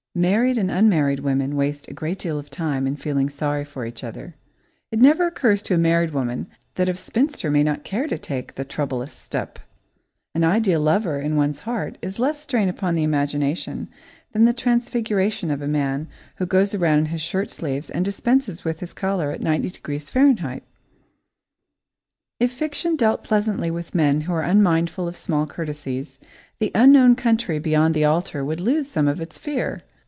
Married and unmarried women waste a great deal of time in feeling sorry for each other. It never occurs to a married woman that a spinster may not care to take the troublous step. An ideal lover in one's heart is less strain upon the imagination than the transfiguration of a man who goes around in his shirt sleeves and dispenses with his collar at ninety degrees Fahrenheit. [Sidenote: The Unknown Country] If fiction dealt pleasantly with men who are unmindful of small courtesies, the unknown country beyond the altar would lose some of its fear.